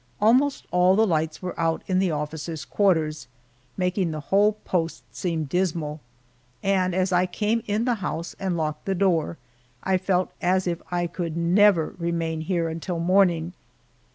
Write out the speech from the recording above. Almost all the lights were out in the officers' quarters, making the whole post seem dismal, and as I came in the house and locked the door, I felt as if I could never remain here until morning.